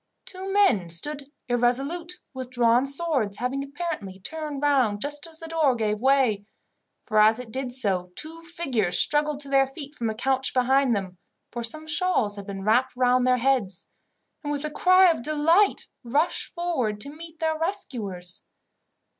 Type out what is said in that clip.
Two men stood irresolute with drawn swords, having apparently turned round just as the door gave way; for as it did so, two figures struggled to their feet from a couch behind them, for some shawls had been wrapped round their heads, and with a cry of delight rushed forward to meet their rescuers.